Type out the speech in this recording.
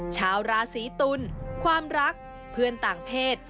ชาวราศีตุลความรักเพื่อนต่างเพศ